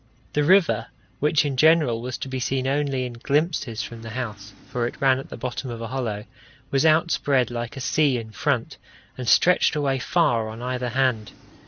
The river, which in general was to be seen only in glimpses from the house for it ran at the bottom of a hollow was outspread like a sea in front, and stretched away far on either hand.